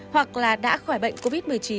hoặc là đã khỏi bệnh covid một mươi chín